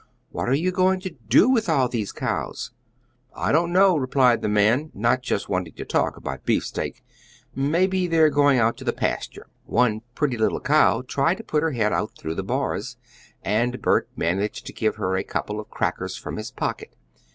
"What are you going to do with all of these cows?" "I don't know," replied the man, not just wanting to talk about beefsteak. "Maybe they're going out to the pasture." One pretty little cow tried to put her head out through the bars, and Bert managed to give her a couple of crackers from his pocket.